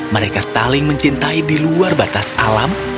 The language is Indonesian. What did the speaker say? mereka saling mencintai di luar batas alam